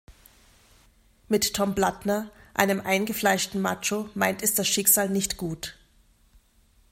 Mit Tom Blattner, einem eingefleischten Macho, meint es das Schicksal nicht gut.